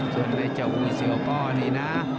ส่วนในเจ้าหุ่ยเสื้อพ่อนี่นะ